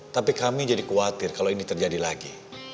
tapi kami jadi khawatir kalau ini terjadi lagi